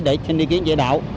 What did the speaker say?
để xin đi kiến chế độ